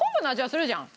するじゃん！